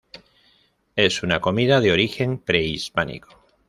Es una comida de origen prehispánico.